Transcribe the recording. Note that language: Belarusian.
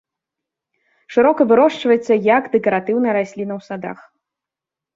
Шырока вырошчваецца як дэкаратыўная расліна ў садах.